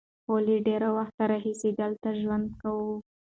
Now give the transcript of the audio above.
هغوی له ډېر وخت راهیسې دلته ژوند کوي.